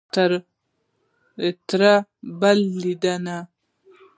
تر بلې لیدنې؟